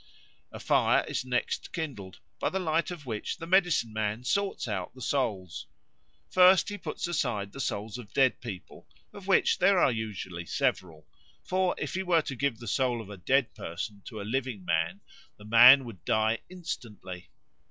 A fire is next kindled, by the light of which the medicine man sorts out the souls. First he puts aside the souls of dead people, of which there are usually several; for if he were to give the soul of a dead person to a living man, the man would die instantly.